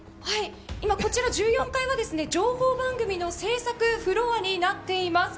こちら１４階は情報番組の製作フロアになっています。